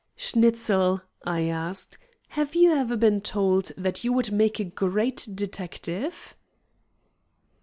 "Schnitzel," I asked, "have you ever been told that you would make a great detective?"